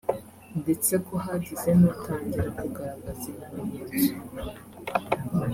ndetse ko hagize n’utangira kugaragaza ibimenyetso